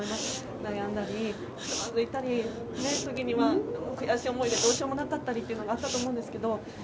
悩んだり、つまずいたり時には悔しい思いでどうしようもないというのがあったと思うんですけど